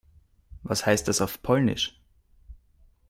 Was heißt das auf Polnisch?